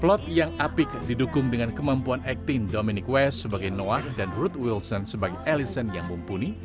plot yang apik didukung dengan kemampuan acting dominic west sebagai noah dan ruth wilson sebagai allison yang mumpuni